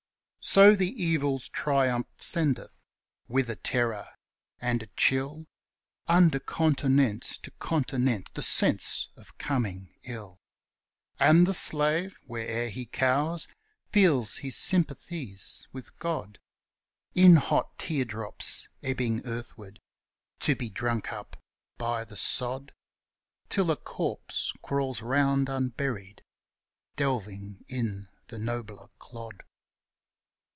So the Evil's triumph sendeth, with a terror and a chill, Under continent to continent, the sense of coming ill, And the slave, where'er he cowers, feels his sympathies with God In hot tear drops ebbing earthward, to be drunk up by the sod, Till a corpse crawls round unburied, delving in the nobler clod.